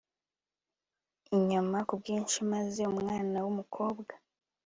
inyama ku bwinshi maze umwana wumukobwa